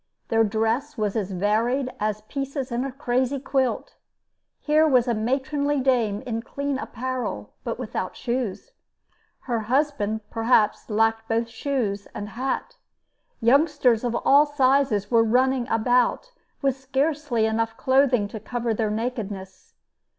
Their dress was as varied as pieces in a crazy quilt. Here was a matronly dame in clean apparel, but without shoes; her husband perhaps lacked both shoes and hat. Youngsters of all sizes were running about with scarcely enough clothing to cover their nakedness.